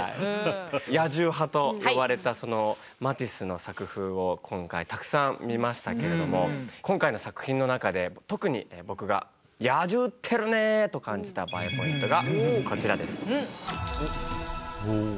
「野獣派」と呼ばれたそのマティスの作風を今回たくさん見ましたけれども今回の作品の中で特に僕が「野獣ってるねー！」と感じたＢＡＥポイントがこちらです。